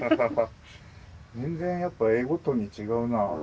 全然やっぱ絵ごとに違うな。